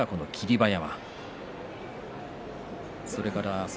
馬山。